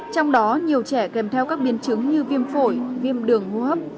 trong đó nhiều trẻ kèm theo các biến chứng như viêm phổi viêm đường hô hấp